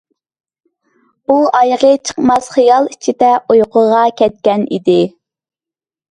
ئۇ ئايىغى چىقماس خىيال ئىچىدە ئۇيقۇغا كەتكەن ئىدى.